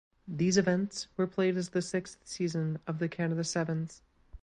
These events were played as the sixth season of the Canada Sevens.